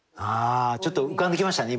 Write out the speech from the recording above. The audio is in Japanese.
ちょっと浮かんできましたね